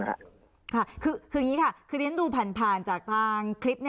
คืออย่างนี้ค่ะคือฉันดูผ่านจากกลางคลิป